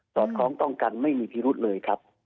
อดคล้องต้องกันไม่มีพิรุธเลยครับ